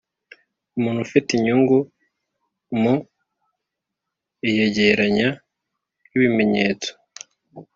Umuntu ufite inyungu mu iyegeranya ry’ibimenyetso